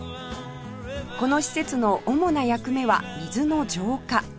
この施設の主な役目は水の浄化